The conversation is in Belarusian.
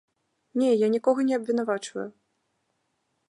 Не, я нікога не абвінавачваю.